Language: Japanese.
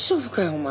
お前。